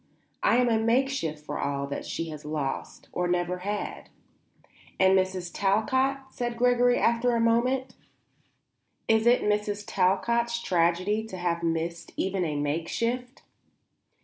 I am a makeshift for all that she has lost, or never had." "And Mrs. Talcott?" said Gregory after a moment. "Is it Mrs. Talcott's tragedy to have missed even a makeshift?"